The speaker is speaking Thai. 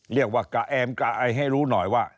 เรียกว่ากะแอมกะไอให้รู้หน่อยว่า